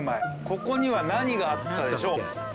ここには何があったでしょう？